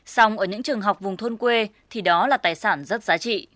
xong ở những trường học vùng thôn quê thì đó là tài sản rất giá trị